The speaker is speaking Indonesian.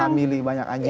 ngehamili banyak anjingnya